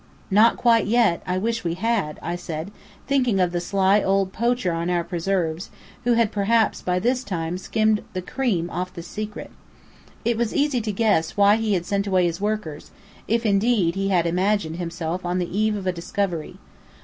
"Not quite yet! I wish we had," I said, thinking of the sly old poacher on our preserves, who had perhaps by this time skimmed the cream off the secret. It was easy to guess why he had sent away his workers if, indeed, he had imagined himself on the eve of a discovery.